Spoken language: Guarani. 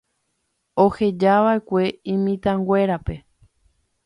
Ohejava'ekue imitãnguérape.